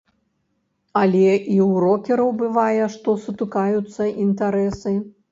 Але і ў рокераў бывае, што сутыкаюцца інтарэсы.